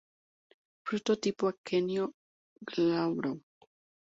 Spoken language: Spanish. Fruto tipo aquenio, glabro.